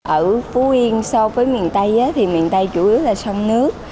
ở phú yên so với miền tây thì miền tây chủ yếu là sông nước